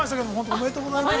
◆ありがとうございます。